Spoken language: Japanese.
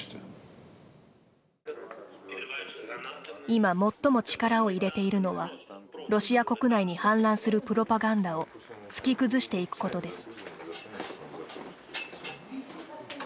今、最も力を入れているのはロシア国内に氾濫するプロパガンダを突き崩していくことです。